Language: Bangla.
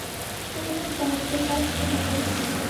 তোমাদের যার যে কাজ, সেটা কর।